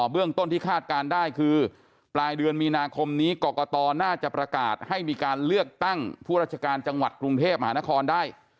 เรื่องต้นที่คาดการณ์ได้คือปลายเดือนมีนาคมนี้กรกตน่าจะประกาศให้มีการเลือกตั้งผู้ราชการจังหวัดกรุงเทพมหานครได้